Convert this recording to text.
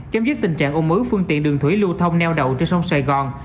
chấm dứt tình trạng ôm ứ phương tiện đường thủy lưu thông neo đậu trên sông sài gòn